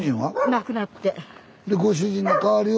亡くなって。